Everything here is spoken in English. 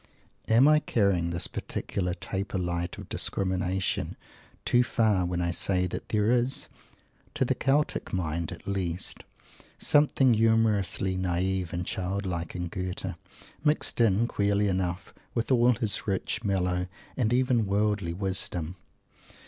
Am I carrying this particular taper light of discrimination too far when I say that there is, to the Celtic mind at least, something humorously naive and childlike in Goethe, mixed in, queerly enough, with all his rich, mellow, and even worldly, wisdom?